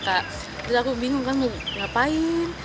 terus aku bingung kan ngapain